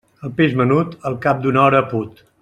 El peix menut, al cap d'una hora put.